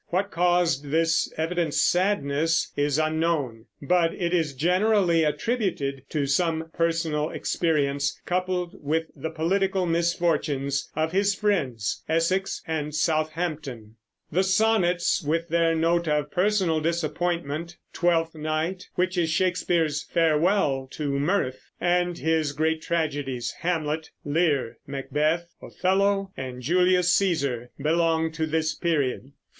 What caused this evident sadness is unknown; but it is generally attributed to some personal experience, coupled with the political misfortunes of his friends, Essex and Southampton. The Sonnets with their note of personal disappointment, Twelfth Night, which is Shakespeare's "farewell to mirth," and his great tragedies, Hamlet, Lear, Macbeth, Othello, and Julius Cæsar, belong to this period.